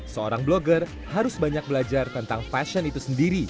seorang blogger harus banyak belajar tentang fashion itu sendiri